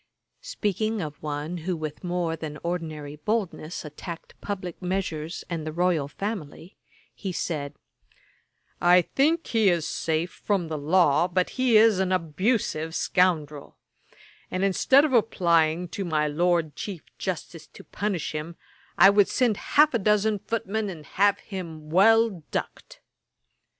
Speaking of one who with more than ordinary boldness attacked publick measures and the royal family, he said, 'I think he is safe from the law, but he is an abusive scoundrel; and instead of applying to my Lord Chief Justice to punish him, I would send half a dozen footmen and have him well ducked.'